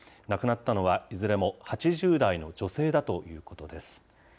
亡くなったのはいずれも８０代の女性だということです。